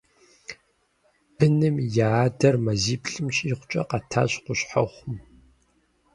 Быным я адэр мазиплӀым щӀигъукӀэ къэтащ Къущхьэхъум.